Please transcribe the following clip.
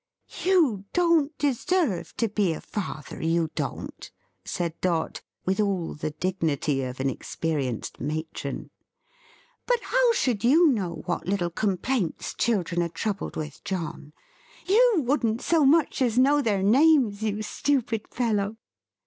"You don't deserve to be a father, you don't," said Dot, with all the dignity of an experienced matron. "But how should you know what little complaints children are troubled with, John! You wouldn't so much as know their names, you stupid fellow."